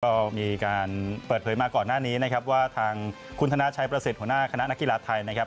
ก็มีการเปิดเผยมาก่อนหน้านี้นะครับว่าทางคุณธนาชัยประสิทธิ์หัวหน้าคณะนักกีฬาไทยนะครับ